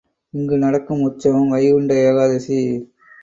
இங்கு நடக்கும் உற்சவம், வைகுண்ட ஏகாதசி.